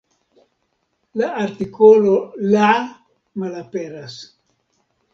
La artikolo "la" malaperas.